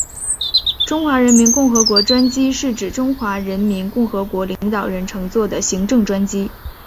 中华人民共和国专机是指中华人民共和国领导人乘坐的行政专机。